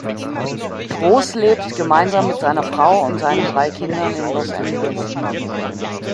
Gross lebt gemeinsam mit seiner Frau und seinen drei Kindern in Los Angeles.